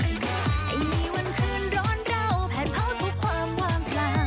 ไอ้วันคืนร้อนเราแผนเผาทุกความวางพลา